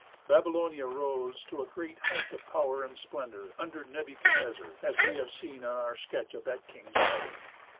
Babylonia rose to a great height of power and splendor under Nebuchadnezzar, as we have seen in our sketch of that king's life.